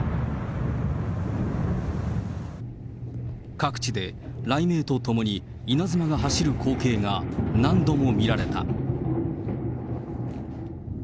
各地で雷鳴とともに、稲妻が走る光景が何度も見られた。